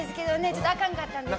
ちょっとあかんかったんです。